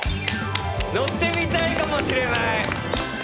乗ってみたいかもしれない！